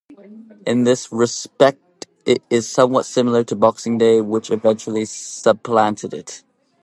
In this respect it is somewhat similar to Boxing Day, which eventually supplanted it.